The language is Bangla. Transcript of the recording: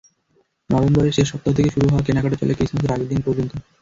নভেম্বরের শেষ সপ্তাহ থেকে শুরু হওয়া কেনাকাটা চলে ক্রিসমাসের আগের দিন পর্যন্ত।